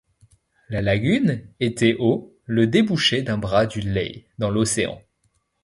La lagune était au le débouché d'un bras du Lay dans l'océan.